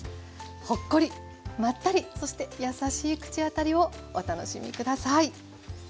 ほっこりまったりそして優しい口当たりをお楽しみ下さい。